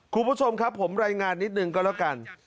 คุณผู้ชมครับผมรายงานนิดนึงก็แล้วกัน